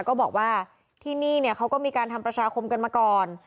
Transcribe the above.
ก็บอกว่าที่นี่เนี่ยเขาก็มีการทำประชาคมกันมาก่อน